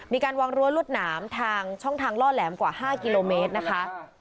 มีการวางรั้วรวดหนามทางช่องทางล่อแหลมกว่า๕กิโลเมตรนะคะ